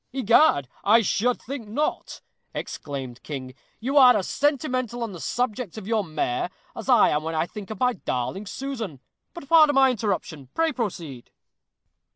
"Egad! I should think not," exclaimed King; "you are as sentimental on the subject of your mare, as I am when I think of my darling Susan. But pardon my interruption. Pray proceed."